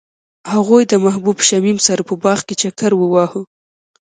هغوی د محبوب شمیم سره په باغ کې چکر وواهه.